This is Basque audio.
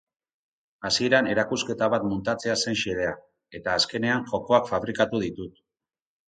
Hasieran erakusketa bat muntatzea zen xedea, eta azkenean jokoak fabrikatu ditut.